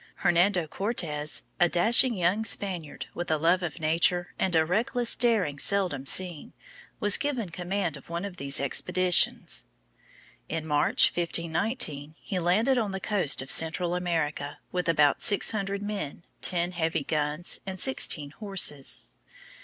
Hernando Cortes, a dashing young Spaniard with a love of adventure and a reckless daring seldom seen, was given command of one of these expeditions. [Illustration: Hernando Cortes.] In March, 1519, he landed on the coast of Central America, with about six hundred men, ten heavy guns, and sixteen horses.